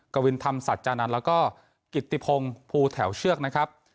กวินธรรมสัจจานันทร์แล้วก็กิติพงศ์ภูแถวเชือกนะครับ